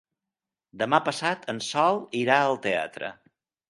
Demà passat en Sol irà al teatre.